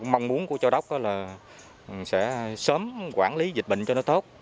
mong muốn của châu đốc là sẽ sớm quản lý dịch bệnh cho nó tốt